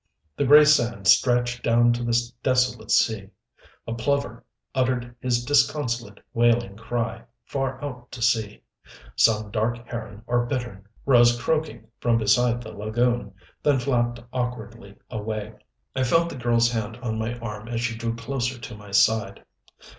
The gray sand stretched down to the desolate sea. A plover uttered his disconsolate, wailing cry far out to sea. Some dark heron or bittern rose croaking from beside the lagoon, then flapped awkwardly away. I felt the girl's hand on my arm as she drew closer to my side.